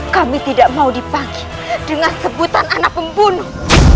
kami tidak mau dipakai dengan sebutan anak pembunuh